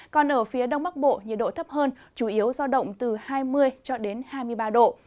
còn ở phía đông bắc bộ nhiệt độ thấp hơn chủ yếu do động từ hai mươi cho đến hai mươi ba độ